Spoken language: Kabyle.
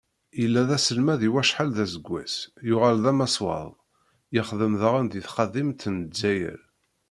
Yella d aselmad i wacḥal d aseggas, yuɣal d amaswaḍ, yexdem daɣen deg tkadimt n Lezzayer.